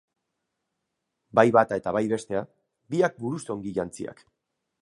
Bai bata eta bai bestea, biak buruz ongi jantziak.